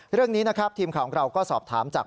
เรื่องนี้นะครับทีมข่าวของเราก็สอบถามจาก